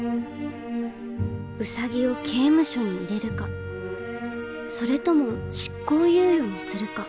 ウサギを刑務所に入れるかそれとも執行猶予にするか。